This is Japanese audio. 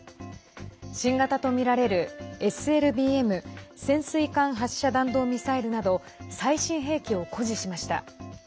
新型とみられるＳＬＢＭ＝潜水艦発射弾道ミサイルなど最新兵器を誇示しました。